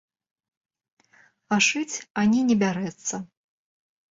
А шыць ані не бярэцца.